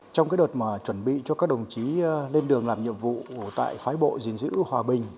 trong cái đợt mà chuẩn bị cho các đồng chí lên đường làm nhiệm vụ tại phái bộ gìn giữ hòa bình